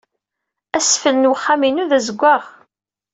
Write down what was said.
Asfel n wexxam-inu d azewwaɣ.